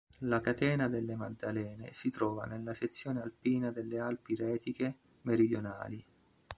La catena delle Maddalene si trova nella sezione alpina delle Alpi Retiche meridionali.